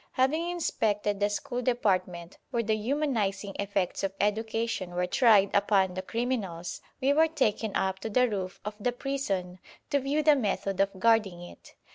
Having inspected the school department where the humanising effects of education were tried upon the criminals, we were taken up to the roof of the prison to view the method of guarding it.